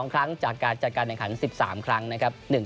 ๑๒ครั้งจากการจัดการในขั้น๑๓ครั้ง